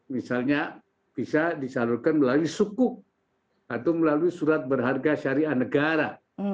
misalnya bisa disalurkan melalui sukuk atau melalui surat berharga syariah negara